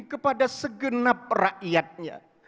kepada segenap rakyatnya